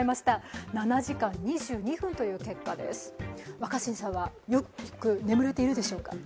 若新さんは、よく眠れているでしょうか。